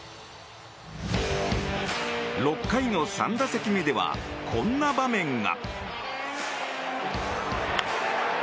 ６回の３打席目ではこんな場面が。